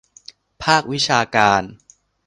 ภาควิชาการ